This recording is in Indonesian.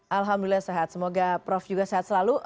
alhamdulillah sehat semoga prof juga sehat selalu